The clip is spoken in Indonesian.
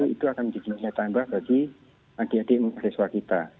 itu akan menjadi nilai tambah bagi adik adik mahasiswa kita